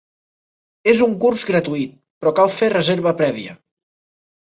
És un curs gratuït, però cal fer reserva prèvia.